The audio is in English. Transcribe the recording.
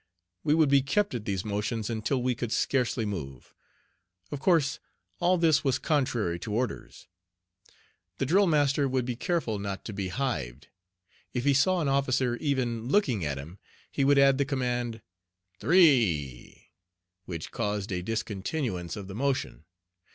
We would be kept at these motions until we could scarcely move. Of course all this was contrary to orders. The drill master would be careful not to be "hived." If he saw an officer even looking at him, he would add the command "three," which caused a discontinuance of the motion.